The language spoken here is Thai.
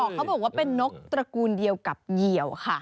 เขาบอกว่าเป็นนกตระกูลเดียวกับเหยียวค่ะ